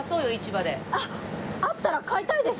あったら買いたいです。